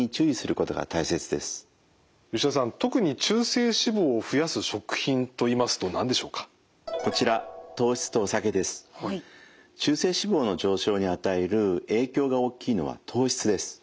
こちら中性脂肪の上昇に与える影響が大きいのは糖質です。